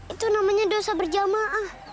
itu namanya dosa berjamaah